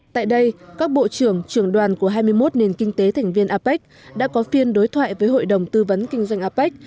tại đây các bộ trưởng trưởng đoàn của hai mươi một nền kinh tế thành viên apec đã có phiên đối thoại với hội đồng tư vấn kinh doanh apec